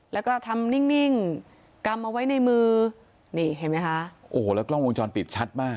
แล้วก็ทำนิ่งกำเอาไว้ในมือนี่เห็นไหมคะโอ้โหแล้วกล้องวงจรปิดชัดมาก